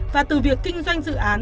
và từ việc kinh doanh dự án